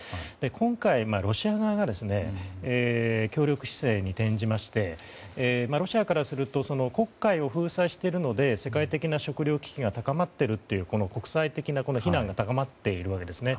今回、ロシア側が協力姿勢に転じましてロシアからすると黒海を封鎖しているので世界的な食糧危機が高まっているという国際的な非難が高まっているわけですね。